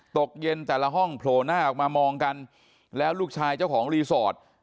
ตกเย็นแต่ละห้องโผล่หน้าออกมามองกันแล้วลูกชายเจ้าของรีสอร์ท